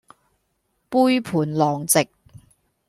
杯盤狼藉